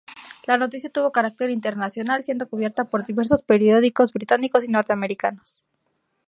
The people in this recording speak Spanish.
La noticia tuvo carácter internacional siendo cubierta por diversos periódicos británicos y norteamericanos.